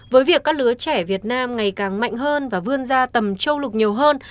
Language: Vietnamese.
với việc các lứa trẻ việt nam ngày càng mạnh hơn và vươn ra tầm châu lục nhiều hơn